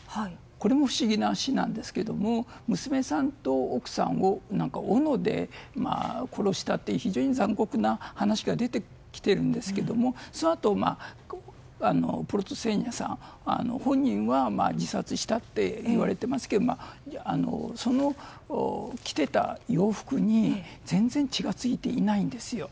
これも不思議な死なんですけども娘さんと奥さんをおので殺したという非常に残酷な話が出てきているんですがそのあとプロトセーニャさん本人は自殺したといわれていますが着ていた洋服に全然、血が付いていないんです。